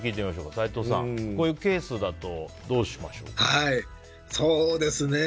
齋藤さん、こういうケースだとどうしましょうか。